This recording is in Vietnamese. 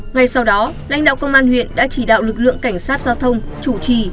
ngay sau đó lãnh đạo công an huyện đã chỉ đạo lực lượng cảnh sát giao thông chủ trì